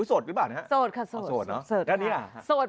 โสดไหมบ้างนะครับโสดค่ะโสด